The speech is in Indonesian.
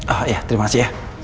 oh ya terima kasih ya